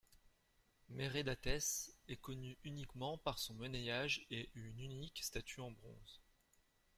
Meredates est connu uniquement par son monnayage et une unique statue en bronze.